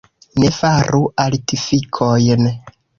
Ne faru artifikojn.